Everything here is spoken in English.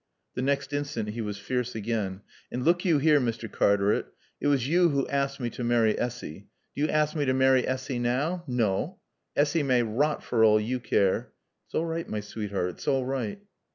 The next instant he was fierce again. "An' look yo' 'ere, Mr. Cartaret. It was yo' who aassked mae t' marry Assy. Do yo' aassk mae t' marry Assy now? Naw! Assy may rot for all yo' care. (It's all right, my sweet'eart. It's all right.)